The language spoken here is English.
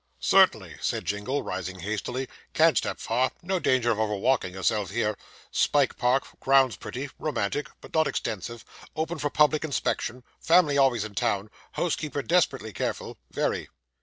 'Certainly,' said Jingle, rising hastily. 'Can't step far no danger of overwalking yourself here spike park grounds pretty romantic, but not extensive open for public inspection family always in town housekeeper desperately careful very.